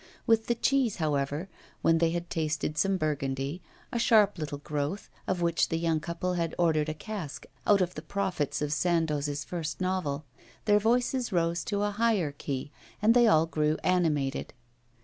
With the cheese, however, when they had tasted some burgundy, a sharp little growth, of which the young couple had ordered a cask out of the profits of Sandoz's first novel, their voices rose to a higher key, and they all grew animated.